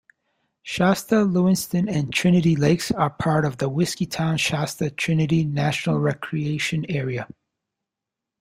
Shasta, Lewiston and Trinity Lakes are part of the Whiskeytown-Shasta-Trinity National Recreation Area.